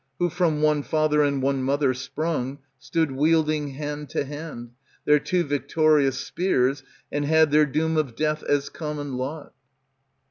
Who, from one father and one mother sprung, Stood wielding, hand to hand. Their two victorious spears, And had their doom of death as common lot.